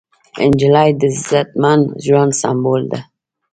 نجلۍ د عزتمن ژوند سمبول ده.